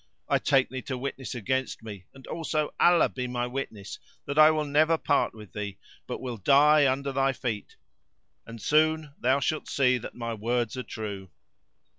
I take thee to witness against me and also Allah be my witness that I will never part with thee, but will die under thy feet; and soon thou shalt see that my words are true."